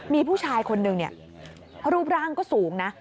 มีผู้ชายคนหนึ่งรูปร่างก็สูงนะ